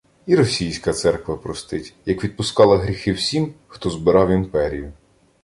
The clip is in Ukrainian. І Російська церква простить, як відпускала гріхи всім, хто «збирав» імперію